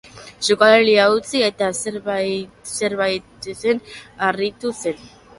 Sukaldaritza utzi eta zerbitzari aritu zen.